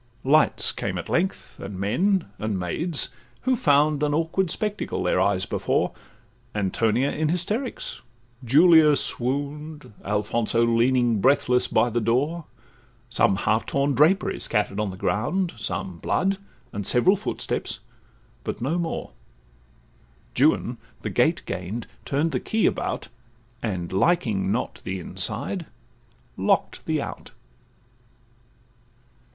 Lights came at length, and men, and maids, who found An awkward spectacle their eyes before; Antonia in hysterics, Julia swoon'd, Alfonso leaning, breathless, by the door; Some half torn drapery scatter'd on the ground, Some blood, and several footsteps, but no more: Juan the gate gain'd, turn'd the key about, And liking not the inside, lock'd the out.